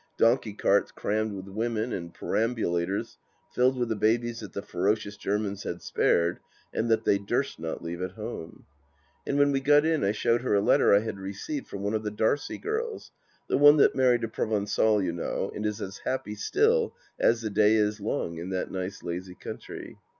Donkey carts crammed with women, and perambu lators filled with the babies that the ferocious Germans had spared and that they durst not leave at home. ... And when we got in I showed her a letter I had received from one of the Darcie girls — the one that married a Pro yengal, you know, and is as happy, still, as the day is long in that nice lazy country.